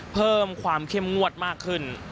เพิ่มความเข้มงวดมากขึ้น